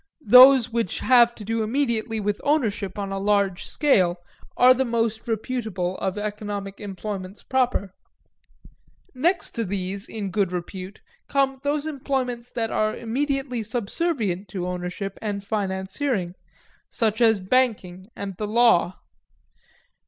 Those which have to do immediately with ownership on a large scale are the most reputable of economic employments proper. Next to these in good repute come those employments that are immediately subservient to ownership and financiering such as banking and the law.